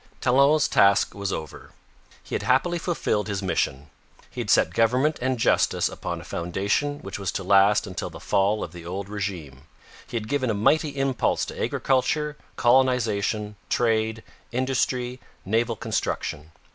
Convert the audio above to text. Talon's task was over. He had happily fulfilled his mission. He had set government and justice upon a foundation which was to last until the fall of the old regime. He had given a mighty impulse to agriculture, colonization, trade, industry, naval construction.